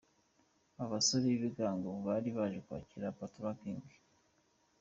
Aba basore b'ibigango bari baje kwakira Patoranking.